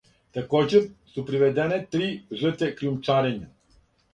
Такође су приведене три жртве кријумчарења.